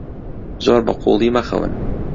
زۆر بەقووڵی مەخەون.